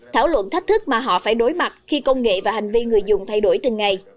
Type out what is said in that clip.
thảo luận thách thức mà họ phải đối mặt khi công nghệ và hành vi người dùng thay đổi từng ngày